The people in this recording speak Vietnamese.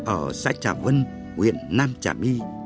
ở xã trà vân huyện nam trà my